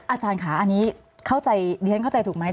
อาจารย์ค่ะอันนี้เข้าใจดิฉันเข้าใจถูกไหม